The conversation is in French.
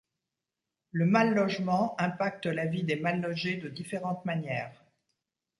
Le mal logement impacte la vie des mal-logés de différentes manières.